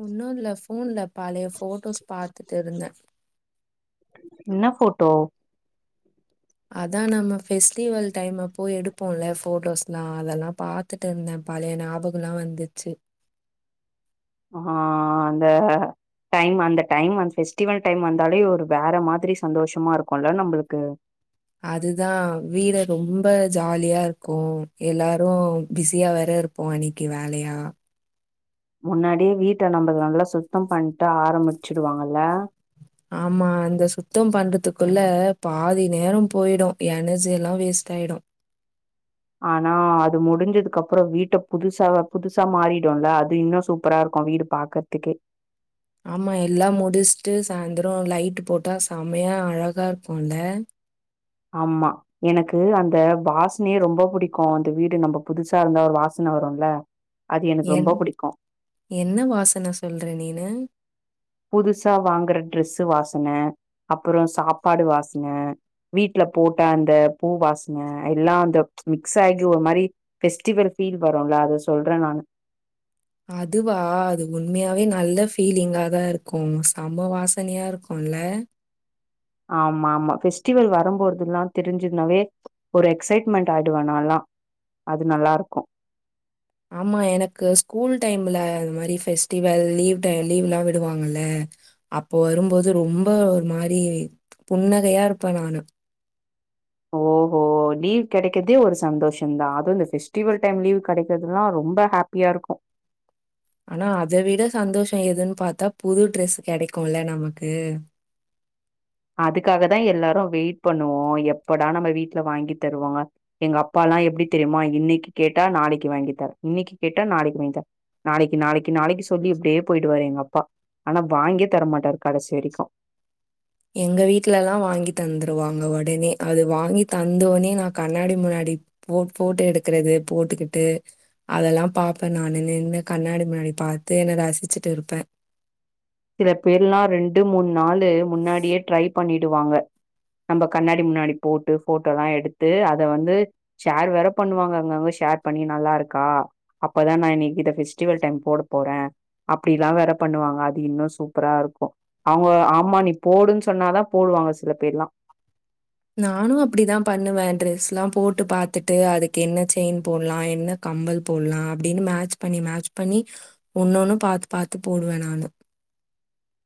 ஒன்னு இல்ல ஃபோன்ல பழைய ஃபோட்டோஸ் பாத்துட்டு இருந்த என்னா ஃபோட்டோ அதா நம்ம ஃபெஸ்டிவல் டைம் அப்போ எடுப்போல்ல ஃபோட்டோஸ்லா அதலா பா த்துட்டு இருந்தே பழைய ஞாபகம்லா வந்துச்சு ஆ அந்த டைம் அந்த டைம் அந்த ஃபெஸ்டிவல் டைம் வந்தாலே ஒரு வேற மாதிரி சந்தோஷமா இருக்குல நம்பளுக்கு அதுதா வீடு ரொம்ப ஜாலியா இருக்கு எல்லாரு பிஸியா வேற இரு ப்போ அன்னைக்கு வேலயா முன்னாடியே வீட்ட நம்மது நல்லா சுத்தம் பண்ட்டு ஆரம்புடிச்சுடு வாங்கல ஆமா அந்த சுத்தம் பண்றதுக்குள்ள பாதி நேரோ போயிடு எனர்ஜி எல்லா வேஸ்ட் ஆயிடு ஆனா அது முடிஞ்சதுக்கு அப்பறோ வீட்ட புதுசா புதுசா மாறிடுல்ல அது இன்னும் சூப்பரா இருக்கும் வீடு பா கத்துக்கே ஆமா எல்லா முடிச்சுட்டு சாயந்தரோ லைட்டு போட்டா செமையா அழகா இருக்குல்ல ஆமா எனக்கு அந்த வாஸ்னே ரொம்ப புடிக்கு அந்த வீடு நம்ப புதுசா இருந்தா ஒரு வாஸ்ன வருல்ல அது எனக்கு என் ரொம்ப புடிக்கு என்ன வாசன சொல்ற நீனு புதுசா வாங்குற ட்ரெஸ்ஸு வாஸ்ன அப்புறோ சாப்பாடு வாஸ்ன வீட்ல போட்டா அந்த பூ வாஸ்ன எல்லா அந்த மிக்ஸ் ஆகி ஒரு மாரி பெஸ்டிவல் ஃபீல் வருல்ல அத சொல்றே நானு அதுவா அது உண்மையாவே நல்ல ஃபீலிங்கா தா இருக்கு செம வாசனையா இருக்குல்ல ஆமா ஆமா பெஃஸ்டிவல் வருபோதுல்லா தெரிஞ்சினாவே ஒரு எக்சைட்மெண்டட் ஆயிடுவே நால்லா அது நல்லா இருக்கு ஆமா எனக்கு ஸ்கூல் டைம்ல அந்த மாதிரி பெஃபஸ்டிவல் லீவ் டை லீவ்லா விடுவாங்கல்ல அப்போ வரும்போது ரொம்ப ஒரு மாரி புன்னகையா இருப்பே நானு ஓஹோ போ லீவ் கெடைக்கிறதே ஒரு சந்தோஷந்தா அது இந்த ஃஸ்டிவல் டைம் லீவ் கெடைக்கிறதுல்லா ரொம்ப ஹாப்பியா இருக்கு ஆனா அத விட சந்தோஷோ எதுன் பாத்தா புது ட்ரெஸ் கெடைக்குல்ல நமக்கு அதுக்காகதா எல்லாரு வெயிட் பண்ணுவோ எப்படா நம்ம வீட்ல வாங்கி தருவாங்க எங்க அப்பா எல்லா எப்டி தெரியுமா இன்னைக்கு கேட்டா நாளைக்கு வாங்கி தர இன்னைக்கு கேட்டா நாளைக்கு வாங்கி தர நாளைக்கு நாளைக்கு நாளைக்கு சொல்லி இப்டியே போயிடுவாரு எங்க அப்பா ஆனா வாங்கியே தரமாட்டாரு கடசி வெரிக்கு எங்க வீட்டுல எல்லா வாங்கி தந்துருவாங்க உடனே அது வாங்கி தந்தோடனே நா கண்ணாடி முன்னாடி போ போட்டோ எடுக்கறது போட்டுக்கிட்டு அதெல்லா பாப்பே நானு நின்னு கண்ணாடி முன்னாடி பார்த்து என்ன ரசிச்சுட்டு இருப்பே சில பேர்லா ரெண்டு மூண் நாளு முன்னாடியே ட்ரை பண்ணிடுவாங்க நம்ப கண்ணாடி முன்னாடி போட்டு போட்டோலா எடுத்து அத வந்து ஷேர் வேற பண்ணுவாங்க அங்கங்க ஷேர் பண்ணி நல்லா இருக்கா அப்பதா நா இன்னைக்கு இத பெஸ்டிவல் டைம்ல போட போறே அப்டிலா வேற பண்ணுவாங்க இன்னு சூப்பரா இருக்கு அவங்க ஆமா நீ போடுன்னு சொன்னாதா போடுவாங்க சில பேர்லா நானு அப்டிதா பண்ணுவே ட்ரெஸ் எல்லா போட்டு பாத்துட்டு அதுக்கு என்ன செயின் போடலா என்ன கம்பல் போல்லா அப்டினு மேட்ச் பண்ணி மேட்ச் பண்ணி ஒன்னொண்ணு பாத்து பாத்து போடுவே நானு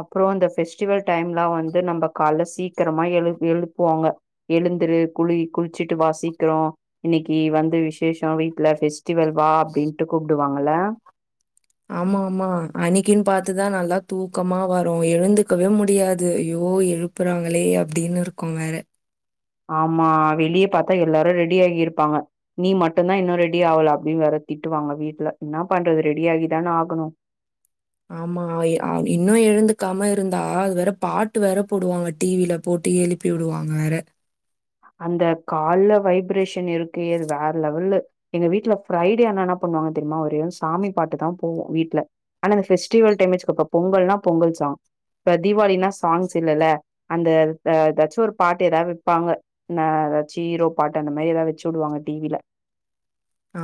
அப்றோ அந்த ஃபெஸ்டிவல் டைம் எல்லா வந்து நம்ம காலையில சீக்கிரமா எழு எழுப்புவாங்க எழுந்துரு குளி குளிச்சிட்டு வா சீக்கிறோ இன்னைக்கு வந்து விசேஷோ வீட்ல பெஃபெஸ்டிவல் வா அப்டின்ட்டு கூப்பிடுவாங்கலா ஆமா ஆமா அணிக்குன்னு பாத்துதா நல்லா தூக்கமா வரு எழுந்துக்கவே முடியாது ஐயோ எழு அனுபுறாங்களே அப்டின்னு இருக்கு வேற ஆமா வெளியே பாத்தா எல்லாரு ரெடி ஆகி இருப்பாங்க நீ மட்டுதா இன்னு ரெடி ஆகல அப்டின்னு வேற திட்டுவாங்க வீட்ல என்ன பண்றது ரெடி ஆகி தானே ஆகணு ஆமா ஆ இன்னு எழுந்துக்காம இருந்தா அது வேற பாட்டு வேற போடுவாங்க டி வில போட்டு எழுப்பி வுடுவாங்க வேற அந்த கால்ல வைப்ரேஷன் இருக்கே அது வேற லெவல்லு எங்க வீட்டுல ஃப்ரைடே ஆனா என்ன பண்ணுவாங்க தெரியுமா ஒரே சாமி பாட்டுதா போவோ வீட்ல ஆனா இந்த ஃபெஸ்டிவல் டைம் வச்சுக்கப்ப பொங்கல்னா பொங்கல் சாங் இப்ப தீபாவாளின்னா சாங்ஸ் இல்லல்ல அந்த ஏதாச்சு ஒரு பாட்டு ஏதாவது வைப்பாங்க நா ஏதாச்சு ஹீரோ பாட்டு அந்த மாரி ஏதாவுது வச்சு விடுவாங்க டி வியில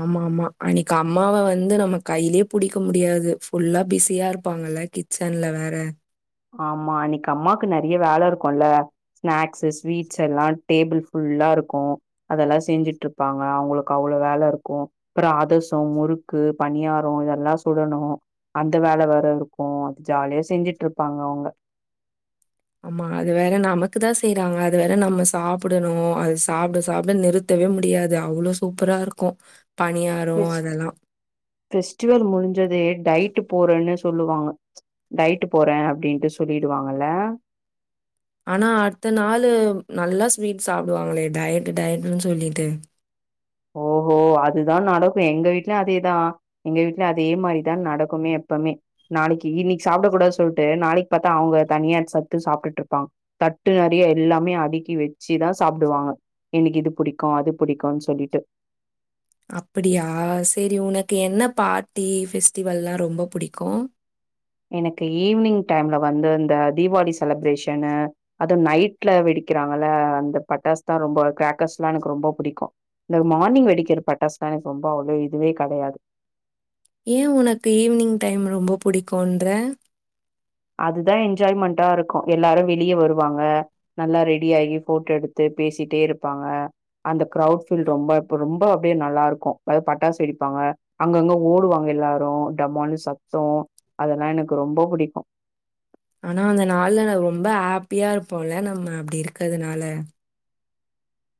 ஆமா ஆமா அன்னைக்கு அம்மாவை வந்து நம்ம கையிலயே புடிக்க முடியாது ஃபுல்லா பிஸியா இருப்பாங்கல்ல கி சென்ல வேற ஆமா அன்னைக்கு அம்மாக்கு நெறைய வேல இருக்கும்ல ஸ்நாக்ஸ் ஸ்வீட்ஸ் எல்லா டேபிள் ஃபுல்லா இருக்கு அதெல்லா செஞ்சுட் இருப்பாங்க அவுங்களுக் அவ்ளோ வேல இருக்கு அப்றோ அதர்சோ முறுக்கு பணியாரோ இதெல்லா சுடணோ அந்த வேல வேற இருக்கு அது ஜாலியா செஞ்சுட்ருப்பாங்க அவுங்க ஆமா அது வேற நமக்குதா செய்றாங்க அது வேற நம்ம சாப்புடணோ அது சாப்ட சாப்ட நிறுத் தவே முடியாது அவ்ளோ சூப்பரா இருக்கோ பணியாரோ ஃபெஸ் அதெல்லா ஃபெஸ்டிவல் முடிஞ்சதே டைட் போறேன்னு சொல்லுவாங்க டைட்டு போறே அப்டின்ட்டு சொல்லிடுவாங்கள்ள ஆனா அடுத்த நாளு நல்லா ஸ்வீட் சாப்டுவாங்களே டயட் டயட்டுன்னு சொல்லிட்டு ஓஹோ அதுதா நடக்கு எங்க வீட்லயு அதேதா எங்க வீட்லயு அதே மாதிரிதா நடக்குமே எப்பமே நாளைக்கு இன்னிக்கி சாப்டக்கூடாது சொல்ட்டு நாளைக் பாத்தா அவுங்க தனியா எத்சத்து சாப்ட்டுட்டு இருப்பாங் தட்டு நெறைய எல்லாமே அடுக்கி வெச்சிதா சாப்டுவாங்க எனக்கு இது பிடிக்கு அது பிடிக்குன் சொல்லிட்டு அப்படியா செரி உனக்கு என்ன பார்ட்டி ஃபெஸ்டிவல்லா ரொம்ப புடிக்கு எனக்கு ஈவினிங் டைம்ல வந்து இந்த தீபாவளி செலப்ரேஷனு அதுவு நைட்ல வெடிக்கிறாங்கல்ல அந்த பட்டாஸ் தா ரொம்ப க்ரக்கர்ஸ்ல்லா எனக்கு ரொம்ப புடிக்கு இந்த மார்னிங் வெடிக்கிற பட்டாஸ்லா எனக்கு ரொம்போ அவ்ளோ இதுவே கெடயாது ஏ உனக்கு ஈவினிங் டைம் ரொம்போ புடிக்குன்ற அதுதா என்ஜாய்மெண்ட்டா இருக்கு எல்லாரு வெளிய வருவாங்க நல்லா ரெடியாகி போட்டோ எடுத்து பேசிட்டே இருப்பாங்க அந்த க்ரௌட் ஃபீல் ரொம்ப இப்ப ரொம்ப அப்டியே நல்லா இருக்கு அதாது பட்டாசு வெடிப்பாங்க அங்கங்க ஓடுவாங்க எல்லாரு டமால்னு சத்தோ அதெல்லா எனக்கு ரொம்ப புடிக்கு ஆனா அந்த நாள்ல ரொம்ப ஹாப்பியா இருப்போல நம்ம அப்டி இருக்கதுனால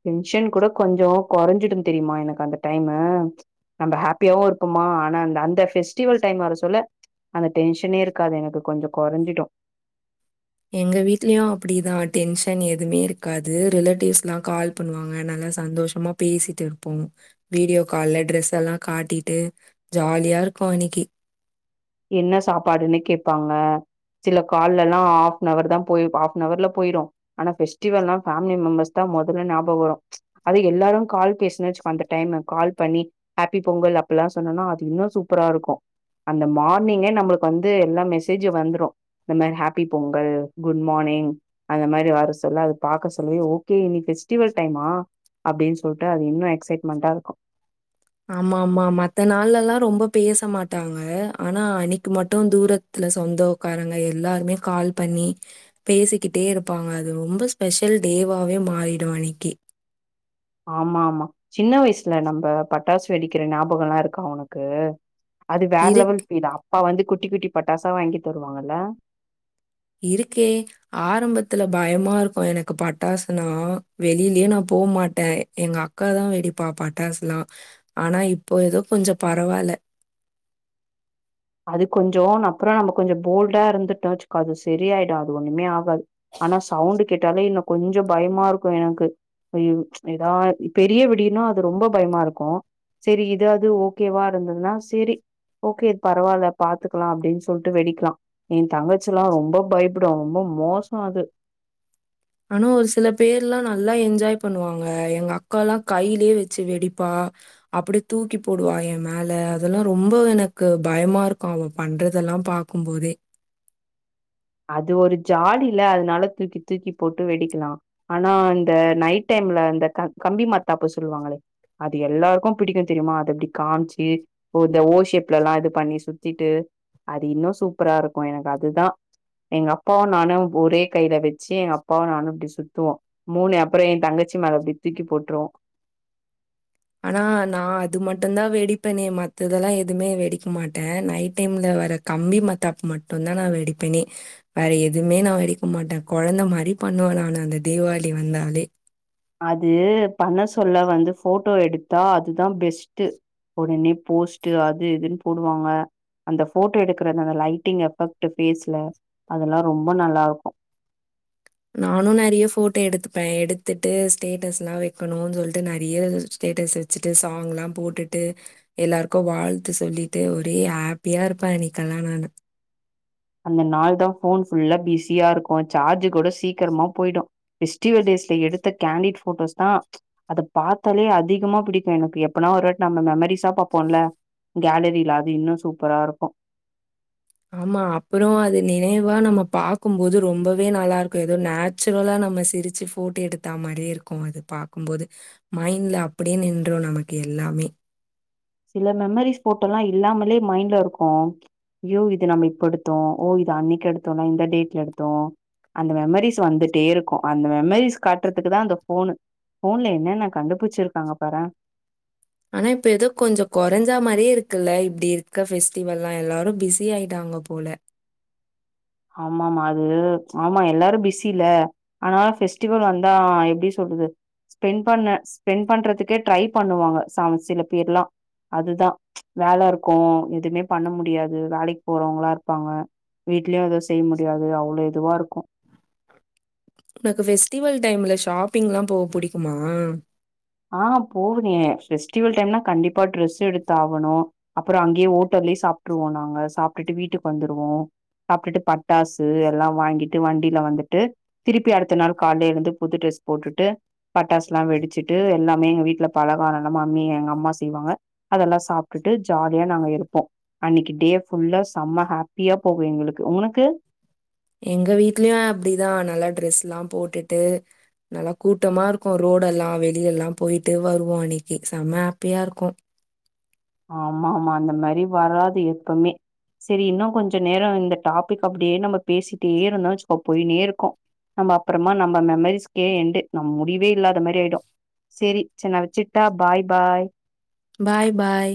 டென்ஷன் கூட கொஞ்சோ குறைஞ்சுடு தெரியுமா எனக்கு அந்த டைமு நம்ம ஹாப்பியாவு இருப்போமா ஆனா அந்த அந்த ஃபெஸ்டிவல் டைம் வர சொல்ல அந்த டென்ஷனே இருக்காது எனக்கு கொஞ்சோ கெறைஞ்சிடு எங்க வீட்லயு அப்டிதா டென்ஷன் எதுமே இருக்காது ரிலேட்டிவ்ஸ்ல்லா கால் பண்ணுவாங்க நல்லா சந்தோஷமா பேசிட்டு இருப்போ வீடியோ கால்ல ட்ரெஸ் எல்லா காட்டிட்டு ஜாலியா இருக்கு அன்னைக்கி என்ன சாப்பாடுன்னு கேப்பாங்க சில கால்ல எல்லா ஆஃப்நவர் தா போய் ஆஃப்நவர்ல போயிரு ஆனா ஃபெஸ்டிவெல்லா ஃபேமிலி மெம்பர்ஸ் தா முதல்ல ஞாபகோ வரு அது எல்லாரு கால் பேசுன்ன வச்சுகோ அந்த டைம்மு கால் பண்ணி ஹாப்பி பொங்கல் அப்பல்லா சொன்னேனா அது இன்னு சூப்பரா இருக்கோ அந்த மா ர்னிங்கே நம்மளுக்கு வந்து எல்லா மெசேஜு வந்துரு இந்மாரி ஹாப்பி பொங்கல் குட் மார்னிங் அந்த மாரி வர சொல்ல அது பாக்க சொல்லவே ஓகே இனி ஃபெஸ்டிவல் டைம்மா அப்டின் சொல்ட்டு அது இன்னு எஃஸைட்மெண்டா இருக்கோ ஆமா ஆமா மத்த நாள்லல்லா ரொம்ப பேசமாட்டாங்க ஆனா அன்னைக்கு மட்டும் தூர த்துல சொந்தோ காரங்க எல்லாருமே கால் பண்ணி பேசிக்கிட்டே இருப்பாங்க அது ரொம்ப ஸ்பெஷல் டேவாவே மாறிடு அன்னிக்கி ஆமா ஆமா சின்ன வயசுல நம்ம பட்டாசு வெடிக்கிற ஞாபகோல்லா இருக்கா உனக்கு அது வேற இருக்கு லெவல் ஃபீல் அப்பா வந்து குட்டி குட்டி பட்டாசா வாங்கி தருவாங்களா இருக்கே ஆரம்பத்துல பயமா இருக்கோ எனக்கு பட்டாசுனா வெளிலயே நா போ மாட்டே எங்க அக்காதா வெடிப்பா பட்டாசுலா ஆனா இப்போ ஏதோ கொஞ்சோ பரவால்ல அது கொஞ்சோ நா அப்றோ நம்ம கொஞ்சோ போல்டா இருந்துட்டோ வெச்சுக்கோ அது சரியாயிடு அது ஒண்ணுமே ஆகாது ஆனா சவுண்டு் கேட்டாலே இன்னு கொஞ்சோ பயமா இருக்கோ எனக்கு ஐயோ ஏதா பெரிய வெடினா அது ரொம்ப பயமா இருக்கோ செரி இதாவ்து ஓகேவா இருந்ததுன்னா செரி ஓகே பரவால்ல பாத்துக்கலா அப்டின்னு சொல்ட்டு வெடிக்லா என் தங்கச்சி எல்லாம் ரொம்ப பயப்படும் ரொம்ப மோசம் அது ஆனா ஒரு சில பேர் எல்லாம் நல்லா என்ஜாய் பண்ணுவாங்க எங்க அக்கா எல்லாம் கையிலேயே வச்சு வெடிப்பா அப்டி தூக்கி போடுவா என் மேல அதெல்லாம் ரொம்ப எனக்கு பயமா இருக்கும் அவ பண்றதெல்லாம் பா க்கும் போதே அது ஒரு ஜாலில அதனால தூக்கி தூக்கி போட்டு வெடிக்லாம் ஆனா இந்த நைட் டைம்ல இந்த க கம்பி மாத்தாப்ப சொல்லுவாங்களே அது எல்லாருக்கும் பிடிக்கும் தெரியுமா அத அப்டி காம்ச்சு ஓ இந்த ஓஷேப்ல எல்லா இது பண்ணி சுத்திட்டு அது இன்னும் சூப்பரா இருக்கும் எனக்கு அதுதா எங்க அப்பாவும் நானும் ஒரே கையில வச்சு எங்க அப்பாவும் நானும் இப்படி சுத்துவோம் மூனு அப்புறம் என் தங்கச்சி மேல தூக் தூக்கி போட்டருவோம் ஆனா நான் அது மட்டும் தான் வெடிப்பேனே மத்ததெல்லாம் எதுவுமே வெடிக்க மாட்டேன் நைட் டைம்ல வர கம்பி மத்தாப் மட்டும்தான் நா வெடிப்பேனே வேற எதுவுமே நான் வெடிக்க மாட்டேன் கொழந்த மாரி பண்ணுவ நான அந்த தீபாவளி வந்தாலே அது பண்ண சொல்ல வந்து போட்டோ எடுத்தா அதுதான் பெஸ்ட்டு உடனே போஸ்ட் அது இதுன்னு போடுவாங்க அந்த போட்டோ எடுக்ற அந்த லைட்டிங் எஃபெக்ட் ஃபேஸ்ல அதெல்லாம் ரொம்ப நல்லா இருக்கும் நானும் நிறைய போட்டோ எடுத்துப்பேன் எடுத்துட்டு ஸ்டேட்டஸ் எல்லாம் வைக்கணும்னு சொல்லிட்டு நெறைய ஸ்டேட்டஸ் வச் வச்சுட்டு சாங் எல்லா போட்டுட்டு எல்லாருக்கும் வாழ்த்து சொல்லிட்டு ஒரே ஹாப்பியா இருப்பேன் அன்னைக்கெல்லா நானு அந்த நாள் தா ஃபோன் ஃபுல்லா பிஸியா இருக்கும் சார்ஜ் கூட சீக்கிரமா போயிடும் ஃபெஸ்டிவல் டேஸ்ல எடுத்த கேண்டட் போட்டோஸ் தா அத பாத்தாலே அதிகமா பிடிக்கும் எனக்கு எப்பனா ஒரு நம்ம மெமரிஸா பாப்போம்ல கேலரியில அது இன்னும் சூப்பரா இருக்கும் ஆமா அப்புறம் அது நினைவா நம்ம பாக்கும்போது ரொம்பவே நல்லா இருக்கும் ஏதோ ந ச்சுரலாக நம்ம சிரிச்சு போட்டோ எடுத்தா மாரியே இருக்கும் அது பாக்கும்போது மைண்ட்ல அப்டியே நின்று நமக்கு எல்லாமே சில மெமரிஸ் ஃபோட்டோலா இல்லாமலே மைண்ட்ல இருக்கு யோ இது நம்ம இப்ப எடுத்தோ ஓ இது அன்னைக்கு எடுத்தோல்ல இந்த டேட்ல எடுத்தோ அந்த மெமரிஸ் வந்துட்டே இருக்கு அந்த மெமரிஸ் காட்றதுக்கு தா அந்த ஃபோனு ஃபோன்ல என்னன்ன கண்டு புச்சிருக்காங்க பாரே ஆனா இப்ப ஏதோ கொஞ்ச கொறஞ்சா மாரியே இருக்குல்ல இப்டி இருக்க ஃபெஸ்டிவெல்லா எல்லாரு பிஸி ஆயிட்டாங்க போல ஆமாமா அது ஆமா எல்லாரு பிஸி இல்ல ஆனால ஃபெஸ்டிவல் வந்தா எப்டி சொல்றது ஸ்பெண்ட் பண்ண ஸ்பெண்ட் பண்றதுக்கே ட்ரை பண்ணுவாங்க ச சில பேர்லா அதுதா வேல இருக்கு எதுமே பண்ண முடியாது வேலைக்கு போறவங்களா இருப்பாங்க வீட்லையு எது செய்ய முடியாது அவ்ளோ எதுவா இருக்கு உனக்கு ஃபெஸ்டிவல் டைம்ல ஷாப்பிங்லா போக புடிக்குமா ஆ போகுதே பெஃபஸ்டிவல் டைம்னா கண்டிப்பா ட்ரெஸ் எடுத்தாகனு அப்புறோ அங்கேயே ஓட்டல்லயே சாப்ட்ருவோ நாங்க சாப்ட்டுட்டு வீட்டுக்கு வந்துருவோ சாப்ட்டுட்டு பட்டாசு எல்லா வாங்கிட்டு வண்டில வந்துட்டு திருப்பி அடுத்த நாள் கால்ல எழுந்து புது ட்ரெஸ் போட்டுட்டு பட்டாஸ்லா வெடிச்சி ட்டு எல்லாமே எங்க வீட்ல பலகாரல்லமா அம்மியே எங்க அம்மா செய்வாங்க அதெல்லா சாப்ட்டுட்டு ஜாலியா நாங்க இருப்போ அன்னைக்கு டே ஃபுல்லா செம்ம ஹாப்பியா போகு எங்களுக்கு உனக்கு எங்க வீட்லயு அப்டிதா நல்லா ட்ரெஸ்லா போட்டுட்டு நல்லா கூட்டமா இருக்கு ரோடெல்லா வெளியெல்லா போய்ட்டு வருவோ அன்னைக்கு செம்ம ஹப்பியா இருக்கு ஆமா ஆமா அந்த மாரி வராது எப்பமே செரி இன்னு கொஞ்ச நேரோ இந்த டாபிக் அப்டியே நம்ம பேசிட்டே இருந்தா வச்சுக்கோ போய்ன்னே இருக்கு நம்ம அப்றமா நம்ம மெமரிஸ்கே எண்டு நம் முடிவே இல்லாத மாரி ஆய்டு செரி சென்னா வெச்சிட்டா பாய் பாய் பாய் பாய்